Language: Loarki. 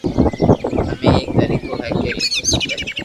امي ايڪ طريقو ھي ڪي ليکووُ کپي